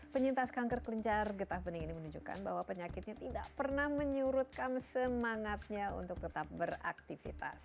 penyintas kanker kelenjar getah bening ini menunjukkan bahwa penyakitnya tidak pernah menyurutkan semangatnya untuk tetap beraktivitas